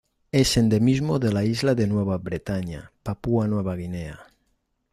Es Endemismo de la isla de Nueva Bretaña, Papúa Nueva Guinea.